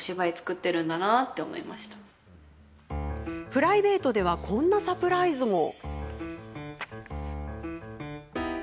プライベートではこんなサプライズも。